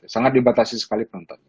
sangat dibatasi sekali penontonnya